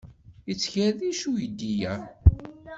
Yettkerric uydi-a.